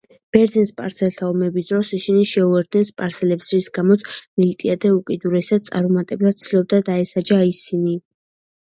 ბერძენ–სპარსელთა ომების დროს ისინი შეუერთდნენ სპარსელებს, რის გამოც მილტიადე უკიდურესად წარუმატებლად ცდილობდა დაესაჯა ისინი.